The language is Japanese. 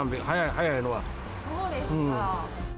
そうですか。